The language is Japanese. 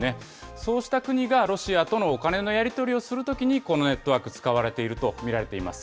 そうした国がロシアとのお金のやり取りをするときに、このネットワーク、使われていると見られています。